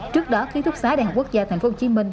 trước đó ký thúc xá đại học quốc gia tp hcm